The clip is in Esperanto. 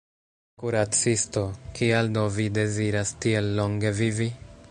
Kuracisto: “Kial do vi deziras tiel longe vivi?